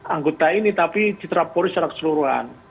anggota ini tapi diterapori secara keseluruhan